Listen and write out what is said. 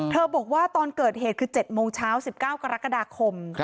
บอกว่าตอนเกิดเหตุคือ๗โมงเช้า๑๙กรกฎาคม